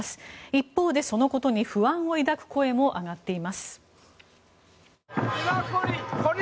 一方で、そのことに不安を抱く声も上がっています。